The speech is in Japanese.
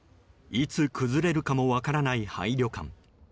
いつ崩れるかも分からない廃旅館。